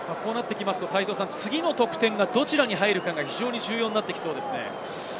次の得点が、どちらに入るかが非常に重要になってきそうですね。